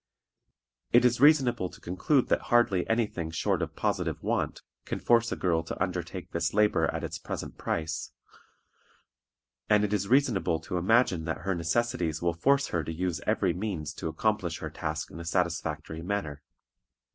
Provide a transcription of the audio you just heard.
It is reasonable to conclude that hardly any thing short of positive want can force a girl to undertake this labor at its present price, and it is reasonable to imagine that her necessities will force her to use every means to accomplish her task in a satisfactory manner.